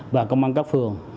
và công an các phường